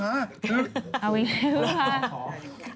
เอาอีก